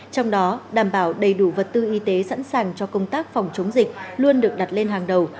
trong đó đảm bảo đầy đủ vật tư y tế sẵn sàng cho công tác phòng chống dịch luôn được đặt lên hàng đầu